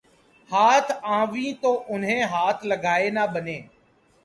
ہاتھ آویں تو انہیں ہاتھ لگائے نہ بنے